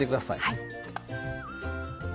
はい。